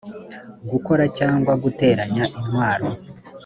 gukora cyangwa guteranya intwaro